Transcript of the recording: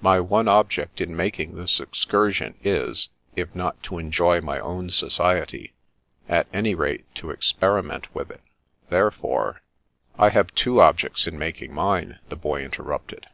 My one object in making this excursion is, if not to enjoy my own society, at any rate to experiment with it, therefore " "I have two objects in making mine," the boy interrupted.